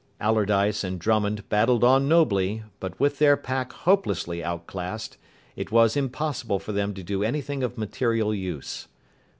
Allardyce and Drummond battled on nobly, but with their pack hopelessly outclassed it was impossible for them to do anything of material use.